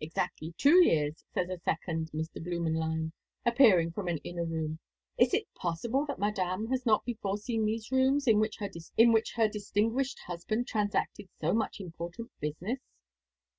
"Exactly two years," said a second Mr. Blümenlein, appearing from an inner room. "Is it possible that Madame has not before seen these rooms, in which her distinguished husband transacted so much important business?"